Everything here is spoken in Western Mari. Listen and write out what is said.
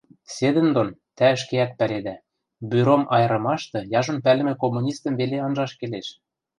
Седӹндон, тӓ ӹшкеӓт пӓледӓ, бюром айырымашты яжон пӓлӹмӹ коммунистӹм веле анжаш келеш